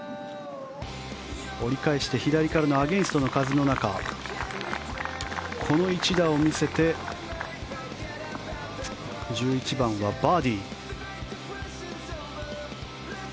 折り返して左からのアゲンストの風の中この一打を見せて１１番はバーディー。